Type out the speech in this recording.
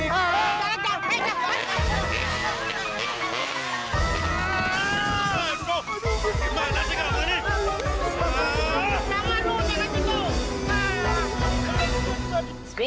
gimana sih kakak ini